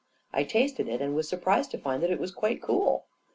I tasted it and was surprised to find that it was quite cool.